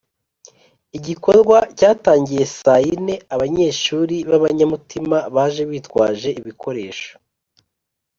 igikorwa cyatangiye saa yine, abanyeshuri b’abanyamutima baje bitwaje ibikoresho